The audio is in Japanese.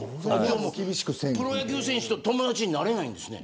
プロ野球選手と友だちになれないんですね。